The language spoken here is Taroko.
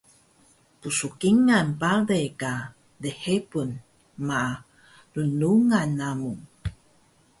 Pskingal bale ka lhebun ma lnglungan namu